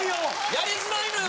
やりづらいのよ